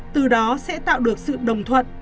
từ đó sẽ tạo được sự đồng thuận